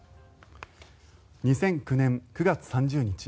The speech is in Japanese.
２００９年９月３０日